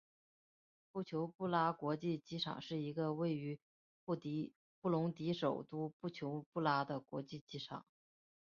布琼布拉国际机场是一位位于布隆迪首都布琼布拉的国际机场。